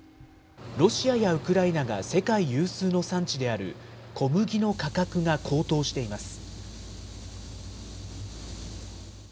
ロシアやウクライナが世界有数の産地である小麦の価格が高騰しています。